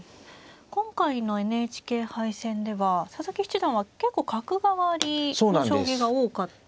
今回のＮＨＫ杯戦では佐々木七段は結構角換わりの将棋が多かったんですが。